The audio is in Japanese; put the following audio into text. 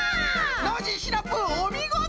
ノージーシナプーおみごと！